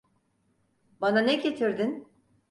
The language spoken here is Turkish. Bana ne getirdin?